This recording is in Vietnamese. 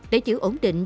để giữ ổn định